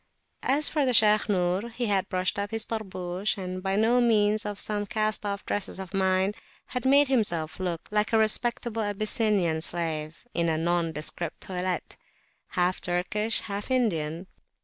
As for Shaykh Nur, he had brushed up his Tarbush, and, by means of some cast off dresses of mine, had made himself look like a respectable Abyssinian slave, in a nondescript toilette, half Turkish, half Indian.